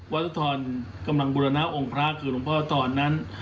วัสดธรกำลังบุรณะองค์พระคือหลวงพ่อโสธรนั้น